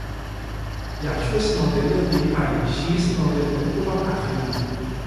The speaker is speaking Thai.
อย่าช่วยสโนว์เดนเรื่องลี้ภัย ชี้สโนว์เดนเป็นผู้ต้องหาคดี